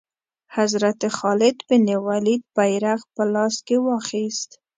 حضرت خالد بن ولید بیرغ په لاس کې واخیست.